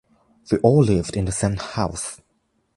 We all lived in the same house.